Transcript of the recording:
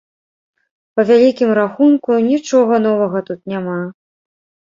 Па вялікім рахунку, нічога новага тут няма.